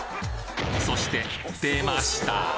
そして出ました。